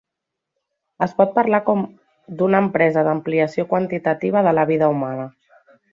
Es pot parlar com d'una empresa d'ampliació quantitativa de la vida humana.